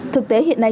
thực tế hiện nay